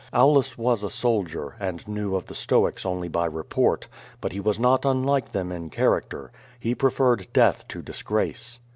Aulus was a soldier, and knew of V, ? ^4 Q^O VADTfS. the stoics only by report. But he was not unlike them in character. He preferred death to disgrace.